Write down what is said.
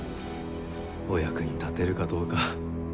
お役に立てるかどうか。